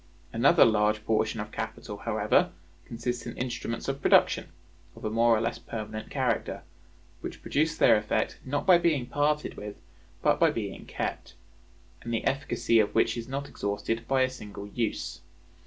Another large portion of capital, however, consists in instruments of production, of a more or less permanent character; which produce their effect not by being parted with, but by being kept; and the efficacy of which is not exhausted by a single use.